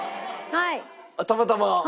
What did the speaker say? はい。